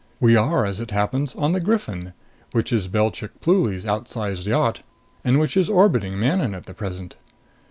"We are, as it happens, on the Griffin, which is Belchik Pluly's outsize yacht, and which is orbiting Manon at present.